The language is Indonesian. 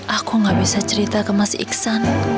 aku gak bisa cerita ke mas iksan